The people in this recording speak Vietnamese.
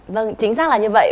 vâng chính xác là như vậy